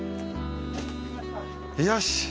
よし。